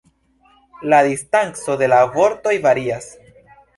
La distanco de la vortoj varias.